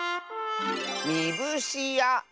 「みぶしあ」！